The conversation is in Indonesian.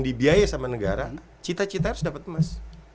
dibiaya sama negara cita cita harus dapat emas